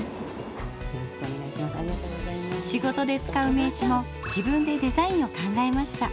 仕事で使う名刺も自分でデザインを考えました。